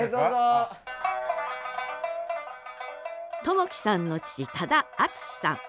智貴さんの父多田あつしさん。